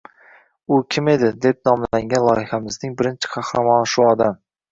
“U kim edi?” deb nomlangan loyihamizning birinchi qahramoni shu odam.